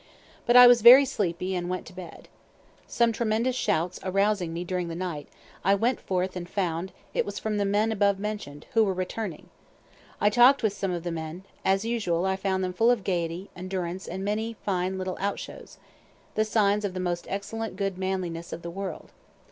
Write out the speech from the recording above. But I was very sleepy and went to bed. Some tremendous shouts arousing me during the night, I went forth and found it was from the men above mention'd, who were returning. I talk'd with some of the men; as usual I found them full of gayety, endurance, and many fine little outshows, the signs of the most excellent good manliness of the world.